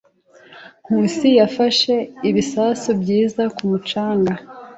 Nkusi yafashe ibisasu byiza ku mucanga.